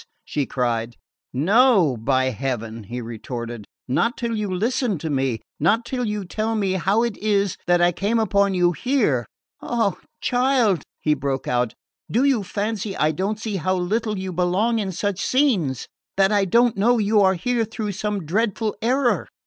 she cried. "No, by heaven!" he retorted; "not till you listen to me not till you tell me how it is that I come upon you here! Ah, child," he broke out, "do you fancy I don't see how little you belong in such scenes? That I don't know you are here through some dreadful error?